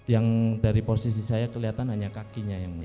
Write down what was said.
yang dari posisi saya kelihatan hanya kakinya yang mulia